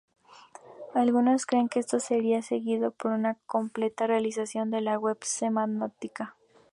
Algunos creen que esto sería seguido por una completa realización de la Web Semántica.